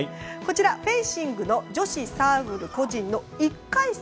フェンシングの女子サーブル個人の１回戦。